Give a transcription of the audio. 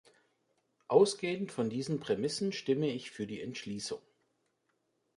Ausgehend von diesen Prämissen stimme ich für die Entschließung.